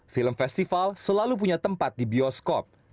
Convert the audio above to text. film festival selalu punya tempat di bioskop